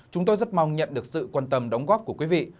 chúng tôi rất mong nhận được sự quan tâm đóng góp của quý vị